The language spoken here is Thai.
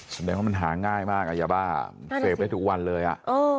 แสดงว่ามันหาง่ายมากยาบ้ามันเสพได้ทุกวันเลยอ่ะ